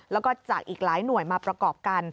แล้วก็จากอีกหลายหน่วยมาประกอบกัน